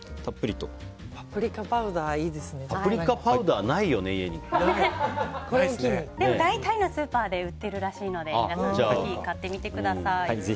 パプリカパウダーでも大体のスーパーで売っているらしいので皆さん、ぜひ買ってみてください。